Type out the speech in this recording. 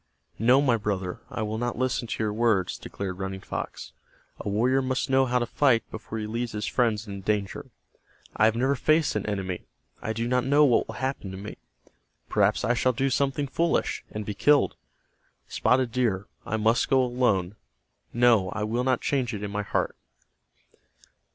"No, my brother, I will not listen to your words," declared Running Fox. "A warrior must know how to fight before he leads his friends into danger. I have never faced an enemy. I do not know what will happen to me. Perhaps I shall do something foolish, and be killed. Spotted Deer, I must go alone. No, I will not change it in my heart."